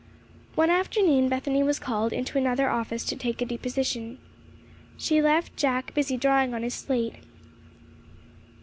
One afternoon Bethany was called into another office to take a deposition. She left Jack busy drawing on his slate.